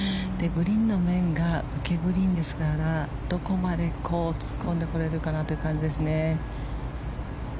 グリーンの面が受けグリーンですからどこまで突っ込んでこれるかなという感じですね。